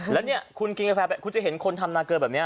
แล้วเนี่ยคุณกินกาแฟไปคุณจะเห็นคนทำนาเกลือแบบนี้